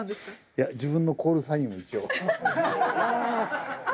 いや自分のコールサインを一応。